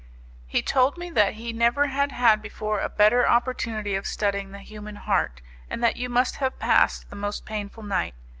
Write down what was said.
He told me that he never had had before a better opportunity of studying the human heart, and that you must have passed the most painful night.